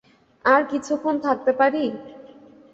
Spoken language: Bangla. আর কিছুক্ষণ থাকতে পারি?